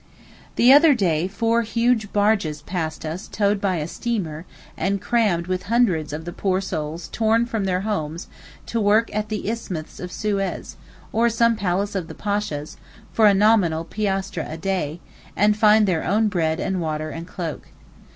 The other day four huge barges passed us towed by a steamer and crammed with hundreds of the poor souls torn from their homes to work at the Isthmus of Suez, or some palace of the Pasha's, for a nominal piastre a day, and find their own bread and water and cloak.